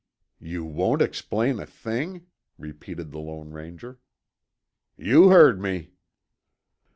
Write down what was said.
"You won't explain a thing?" repeated the Lone Ranger. "You heard me!"